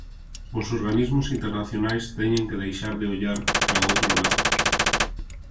Os organismos internacionais teñen que deixar de ollar para outro lado.